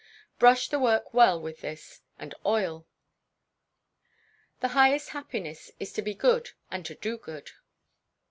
Brush the work well with this, and oil. [THE HIGHEST HAPPINESS IS TO BE GOOD AND TO DO GOOD.